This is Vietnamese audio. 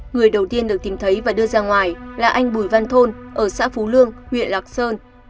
người đầu tiên được tìm thấy và đưa ra ngoài là anh bùi văn thôn ở xã phú lương huyện lạc sơn